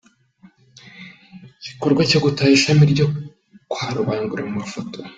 Igikorwa cyo gutaha ishami ryo kwa Rubangura mu mafoto